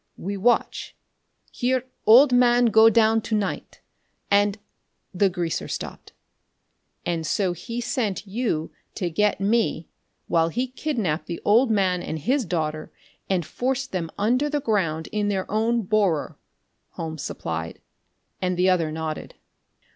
We watch, hear old man go down to night, and "The greaser stopped. "And so he sent you to get me, while he kidnapped the old man and his daughter and forced them under the ground in their own borer," Holmes supplied, and the other nodded.